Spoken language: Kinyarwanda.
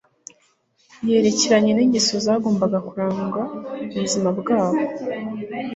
yerekeranye ningeso zagombaga kuranga ubuzima bwabo